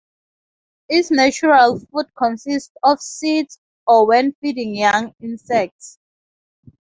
Its natural food consists of seeds, or when feeding young, insects.